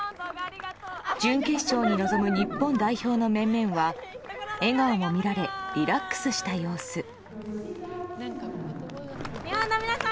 準決勝に臨む日本代表の面々は笑顔も見られリラックスした様子。